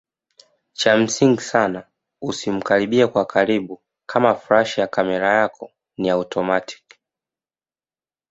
Cha msingi sana usimkaribie kwa karibu kama flash ya kamera yako ni automatic